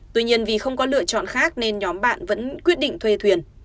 tuy nhiên vì không có lựa chọn khác nên nhóm bạn vẫn quyết định thuê thuyền